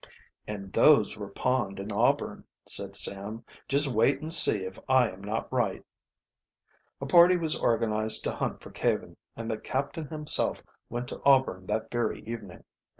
"And those were pawned in Auburn," said Sam. "Just wait and see if I am not right." A party was organized to hunt for Caven, and the captain himself went to Auburn that very evening.